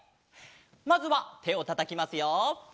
まずはてをたたきますよ。